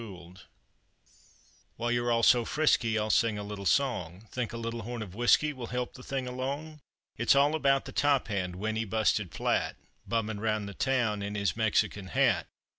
TOP HAND While you're all so frisky I'll sing a little song, Think a little horn of whiskey will help the thing along? It's all about the Top Hand, when he busted flat Bummin' round the town, in his Mexican hat.